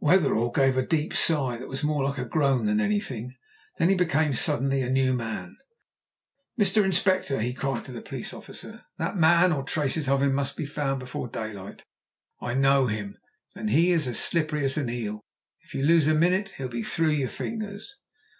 Wetherell gave a deep sigh that was more like a groan than anything; then he became suddenly a new man. "Mr. Inspector," he cried to the police officer, "that man, or traces of him, must be found before daylight. I know him, and he is as slippery as an eel; if you lose a minute he'll be through your fingers."